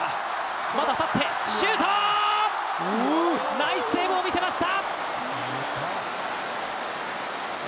ナイスセーブを見せました！